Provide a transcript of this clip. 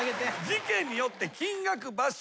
事件によって金額場所